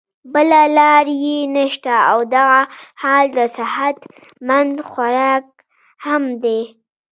بله لار ئې نشته او دغه حال د صحت مند خوراک هم دے